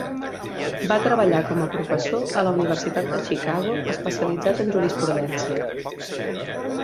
Va treballar com a professor a la Universitat de Chicago, especialitzat en jurisprudència.